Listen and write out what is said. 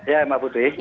ya mbak putri